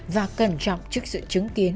và cẩn trọng trước sự chứng kiến